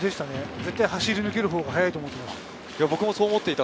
絶対走り抜けるほうが速いと思ってました。